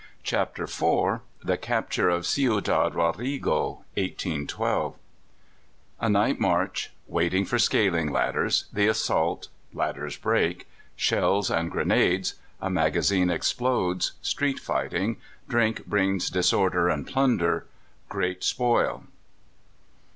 CHAPTER IV THE CAPTURE OF CIUDAD RODRIGO (1812) A night march Waiting for scaling ladders The assault Ladders break Shells and grenades A magazine explodes Street fighting Drink brings disorder and plunder Great spoil.